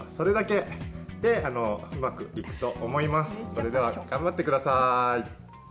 それでは頑張ってください。